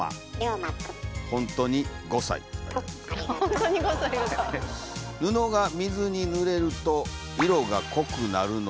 なんで服が水にぬれると色が濃くなるの？